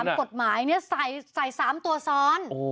ตามกฎหมายนี้ใส่๓ตัวซ้อน